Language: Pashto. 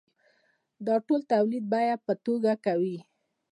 دا ټول د تولید بیه په ګوته کوي